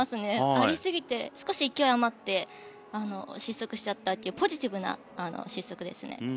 ありすぎて少し勢い余って失速しちゃったというポジティブな失速ですね。